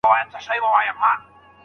مریي ساتل اوس لازم نه دي.